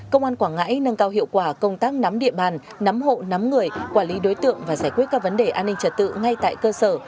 công an quảng ngãi nâng cao hiệu quả công tác nắm địa bàn nắm hộ nắm người quản lý đối tượng và giải quyết các vấn đề an ninh trật tự ngay tại cơ sở